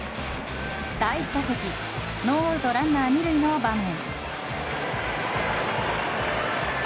第１打席ノーアウトランナー２塁の場面。